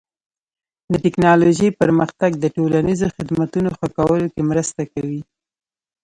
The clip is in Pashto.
د ټکنالوژۍ پرمختګ د ټولنیزو خدمتونو ښه کولو کې مرسته کوي.